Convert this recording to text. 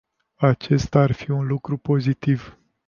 Acesta ar fi un lucru pozitiv.